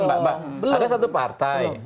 ada satu partai